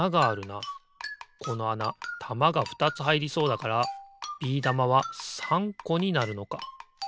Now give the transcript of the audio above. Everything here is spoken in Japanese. このあなたまがふたつはいりそうだからビー玉は３こになるのか。